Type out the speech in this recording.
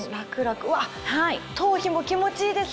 うわ頭皮も気持ちいいです！